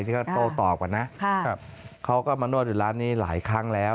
ที่เขาโต้ตอบก่อนนะเขาก็มานวดอยู่ร้านนี้หลายครั้งแล้ว